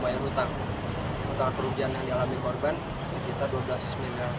jadi hasil keuntungan atau hasil investasi yang diberikan oleh korban ini tidak menyebabkan bahwa tas tersebut macet